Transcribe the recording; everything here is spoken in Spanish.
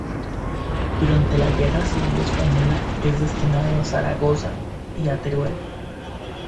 Durante la guerra civil española es destinado a Zaragoza, y a Teruel.